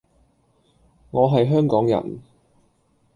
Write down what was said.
我係香港人